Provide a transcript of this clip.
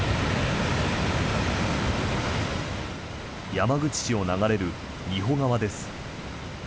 山口市を流れる仁保川です。